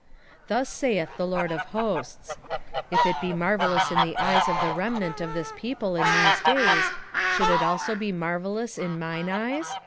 8:6 Thus saith the LORD of hosts; If it be marvellous in the eyes of the remnant of this people in these days, should it also be marvellous in mine eyes?